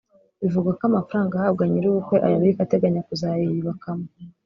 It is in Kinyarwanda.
Bivugwa ko amafaranga ahabwa nyir’ubukwe ayabika ateganya kuzayiyubakamo